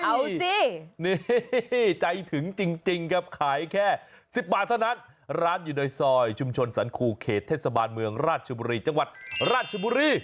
เอาสินี่ใจถึงจริงครับขายแค่๑๐บาทเท่านั้นร้านอยู่ในซอยชุมชนสรรคูเขตเทศบาลเมืองราชบุรีจังหวัดราชบุรี